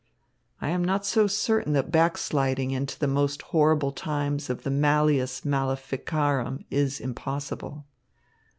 I am not so certain that backsliding into the most horrible times of the Malleus maleficarum is impossible."